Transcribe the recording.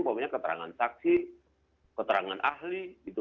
pokoknya keterangan saksi keterangan ahli gitu